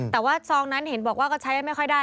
แต่ว่าซองนั้นเห็นบอกว่าก็ใช้ไม่ค่อยได้